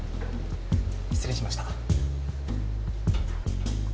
失礼しました。